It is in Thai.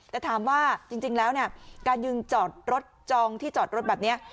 แต่ถามว่าจริงแล้วเนี่ยการยืนจอดรถจองที่จอดรถแบบนี้